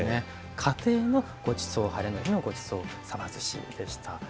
家庭のごちそうハレの日のごちそうさばずしでした。